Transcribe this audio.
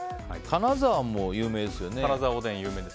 金沢も有名ですよね。